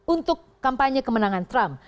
untuk kampanye kemenangan trump